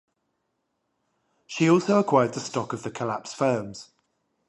She also acquired the stock of the collapsed firms.